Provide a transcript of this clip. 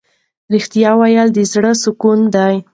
ریښتیا ویل د زړه سکون دی.